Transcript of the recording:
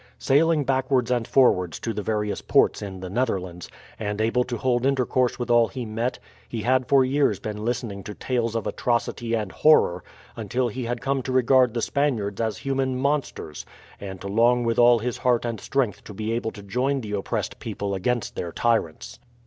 Sailing backwards and forwards to the various ports in the Netherlands, and able to hold intercourse with all he met, he had for years been listening to tales of atrocity and horror, until he had come to regard the Spaniards as human monsters, and to long with all his heart and strength to be able to join the oppressed people against their tyrants.